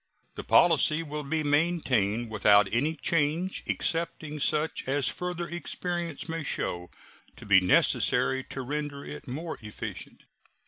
The policy will be maintained without any change excepting such as further experience may show to be necessary to render it more efficient.